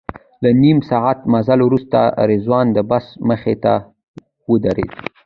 له نیم ساعت مزل وروسته رضوان د بس مخې ته ودرېد.